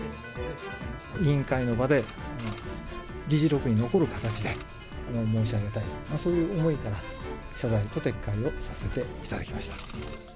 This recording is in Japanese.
委員会の場で、議事録に残る形で申し上げたい、そういう思いから謝罪と撤回をさせていただきました。